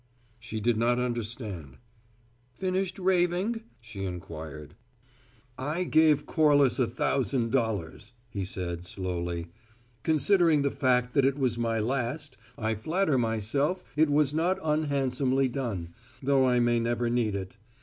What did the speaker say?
She did not understand. "Finished raving?" she inquired. "I gave Corliss a thousand dollars," he said, slowly. "Considering the fact that it was my last, I flatter myself it was not unhandsomely done though I may never need it.